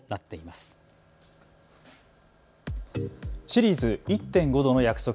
シリーズ、１．５℃の約束